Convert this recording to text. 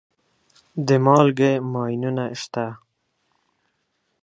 د مالګې ماینونه شته.